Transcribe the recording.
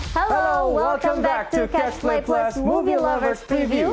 halo selamat datang kembali di catch play plus movie lovers preview